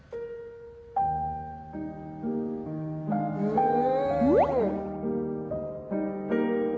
うん。